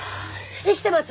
生きてます！